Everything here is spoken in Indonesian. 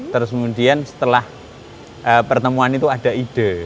terus kemudian setelah pertemuan itu ada ide